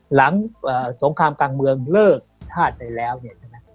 หลังสงครามกลางเมืองเลิกทาสเลยแล้วเนี่ย